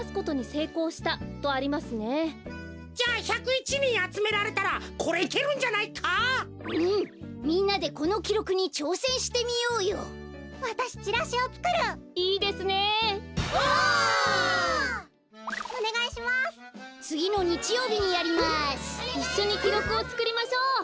いっしょにきろくをつくりましょう。